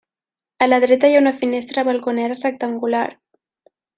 A la dreta hi ha una finestra balconera rectangular.